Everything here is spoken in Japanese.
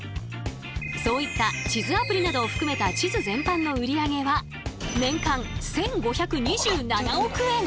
そういった地図アプリなどを含めた地図全般の売り上げは年間１，５２７億円！